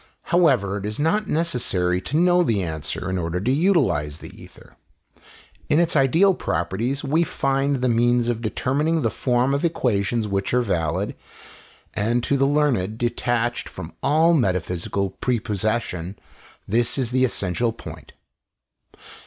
However, it is not necessary to know the answer in order to utilize the ether. In its ideal properties we find the means of determining the form of equations which are valid, and to the learned detached from all metaphysical prepossession this is the essential point.